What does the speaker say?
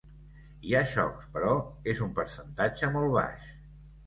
Hi ha xocs, però és un percentatge molt baix.